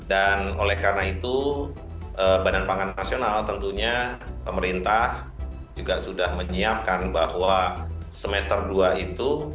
dan oleh karena itu badan pangan nasional tentunya pemerintah juga sudah menyiapkan bahwa semester dua itu